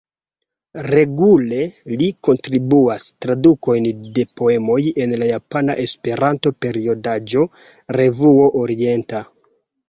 Regule li kontribuas tradukojn de poemoj en la japana Esperanto-periodaĵo Revuo Orienta.